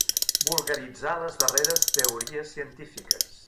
Vulgaritzar les darreres teories científiques.